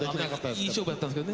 いい勝負やったんですけどね。